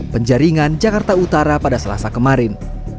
penjaringan jakarta utara pada selasa kemarin